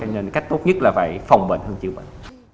nên cách tốt nhất là phải phòng bệnh hơn chữa bệnh